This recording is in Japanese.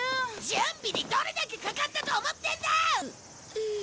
準備にどれだけかかったと思ってんだ！